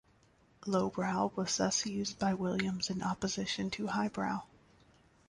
"Lowbrow" was thus used by Williams in opposition to "highbrow.